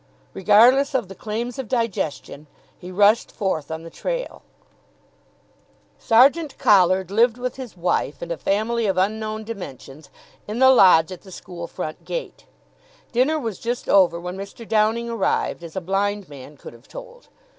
Regardless of the claims of digestion, he rushed forth on the trail. Sergeant Collard lived with his wife and a family of unknown dimensions in the lodge at the school front gate. Dinner was just over when Mr. Downing arrived, as a blind man could have told.